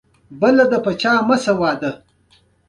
دوی د سیمې په اقتصاد کې رول لري.